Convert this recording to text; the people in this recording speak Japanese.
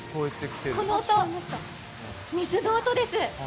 この音、水の音です。